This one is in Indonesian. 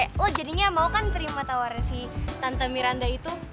lo jadinya mau kan terima tawaran si tante miranda itu